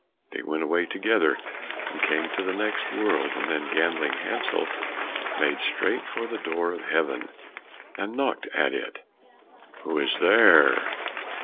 They went away together and came to the next world, and then Gambling Hansel made straight for the door of Heaven, and knocked at it. "Who is there?"